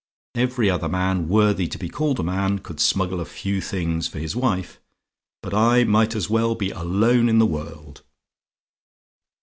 Every other man, worthy to be called a man, could smuggle a few things for his wife but I might as well be alone in the world.